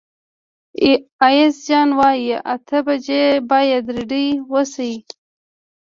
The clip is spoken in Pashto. ایاز جان وايي اته بجې باید رېډي اوسئ.